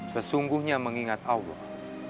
sesungguhnya mengingat allah